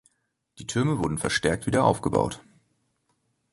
Die Türme wurden verstärkt wieder aufgebaut.